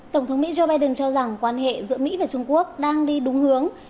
tổng thống mỹ joe biden cho rằng quan hệ giữa mỹ và trung quốc đang đi đúng hướng